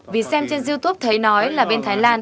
vì xem trên youtube thấy nói là bên thái lan